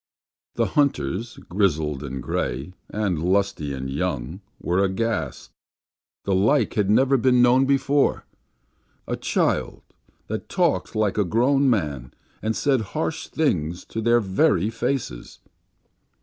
The hunters, grizzled and gray, and lusty and young, were aghast. The like had never been known before. A child, that talked like a grown man, and said harsh things to their very faces!